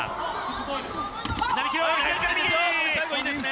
最後いいですね。